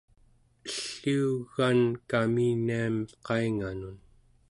elliu egan kaminiam qainganun